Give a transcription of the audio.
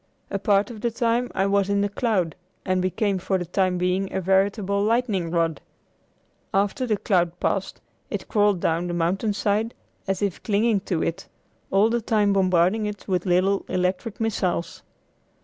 A part of the time I was in the cloud and became for the time being a veritable lightning rod. After the cloud passed it crawled down the mountainside as if clinging to it, all the time bombarding it with little electric missiles.